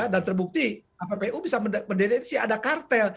dan terbukti appu bisa mendeletisi ada kartel